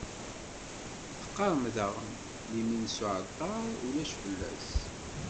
Teqqarem daɣen: Limin s uɛalṭar, ulac fell-as.